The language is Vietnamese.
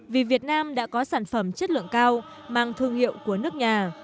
vì việt nam đã có sản phẩm chất lượng cao mang thương hiệu của nước nhà